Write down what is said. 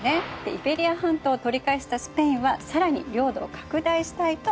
イベリア半島を取り返したスペインは更に領土を拡大したいと思ったわけ。